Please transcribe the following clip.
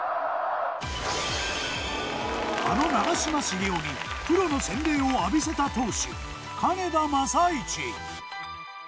あの長嶋茂雄にプロの洗礼を浴びせた投手金田正一。